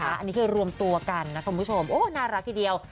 อันนี้คือรวมตัวกันนะคุณผู้ชมโอ้น่ารักทีเดียว